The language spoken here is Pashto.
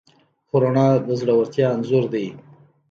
خو رڼا د زړورتیا انځور دی.